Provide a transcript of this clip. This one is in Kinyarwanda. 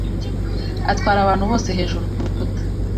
atwara abantu bose hejuru kurukuta.